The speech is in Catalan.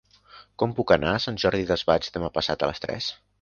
Com puc anar a Sant Jordi Desvalls demà passat a les tres?